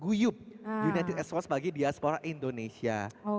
guyub united sos bagi diaspora indonesia